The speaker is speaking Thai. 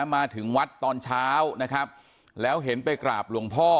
มาถึงวัดตอนเช้านะครับแล้วเห็นไปกราบหลวงพ่อ